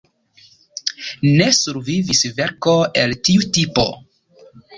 Ne survivis verko el tiu tipo.